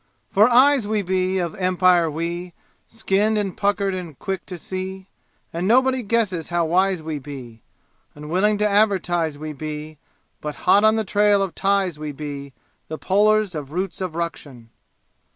For eyes we be, of Empire, we! Skinned and Puckered and quick to see And nobody guesses how wise we be. Unwilling to advertise we be. But, hot on the trail of ties, we be The pullers of roots of ruction!